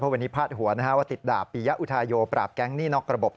เพราะวันนี้พลาดหัวนะครับว่าติดดาบปียะอุทายโยปราบแก๊งนี่นอกระบบ